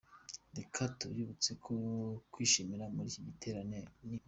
Reka tubibutse ko kwinjira muri iki giterane ni ubuntu.